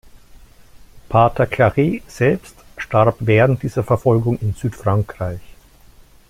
Pater Claret selbst starb während dieser Verfolgung in Südfrankreich.